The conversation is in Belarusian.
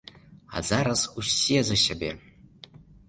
А зараз ўсе за сябе.